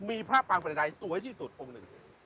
มีพระปางประดัยสวยที่สุดองค์หนึ่ง